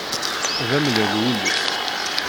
d amellal wul-is.